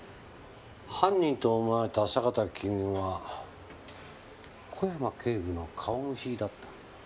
犯人と思われた坂田公男は小山警部の顔見知りだった。